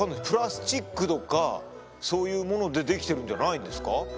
プラスチックとかそういうものでできてるんじゃないんですか？